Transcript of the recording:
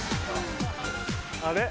あれ？